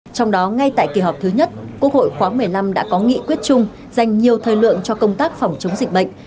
trong đó ngay tại kỳ họp thứ nhất quốc hội khóa một mươi năm đã có nghị quyết chung dành nhiều thời lượng cho công tác phòng chống dịch bệnh